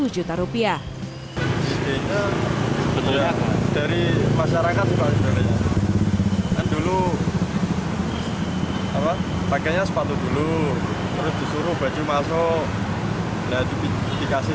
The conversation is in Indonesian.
juta rupiah dari masyarakat dulu apa pakainya sepatu dulu terus disuruh baju masuk nah dikasih